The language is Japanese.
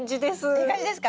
いい感じですか？